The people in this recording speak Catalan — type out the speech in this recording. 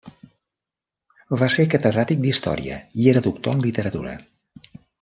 Va ser catedràtic d'Història i era doctor en Literatura.